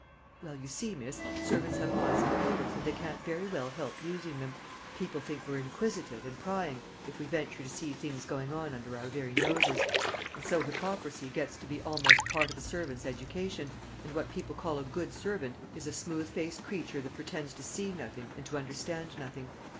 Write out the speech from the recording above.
"Well, you see, miss, servants have eyes and ears, and they can't very well help using them. People think we're inquisitive and prying if we venture to see things going on under our very noses; and so hypocrisy gets to be almost part of a servant's education, and what people call a good servant is a smooth faced creature that pretends to see nothing and to understand nothing.